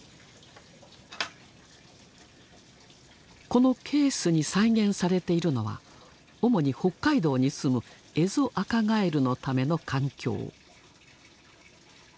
このケースに再現されているのは主に北海道にすむエゾアカガエルのための環境。